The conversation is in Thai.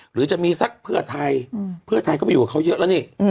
หรือจะมีสักเพื่อไทยเพื่อไทยก็ไปอยู่กับเขาเยอะแล้วนี่